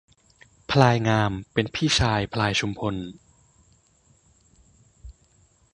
พลายงามเป็นพี่ชายพลายชุมพล